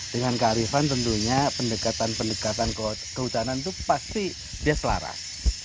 dengan kearifan tentunya pendekatan pendekatan kehutanan itu pasti dia selaras